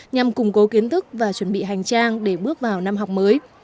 nhằm củng cố kiến thức và chuẩn bị hành trang để bước vào năm học mới